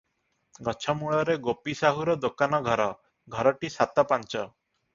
ଗଛମୂଳରେ ଗୋପୀସାହୁର ଦୋକାନ ଘର, ଘରଟି ସାତପାଞ୍ଚ ।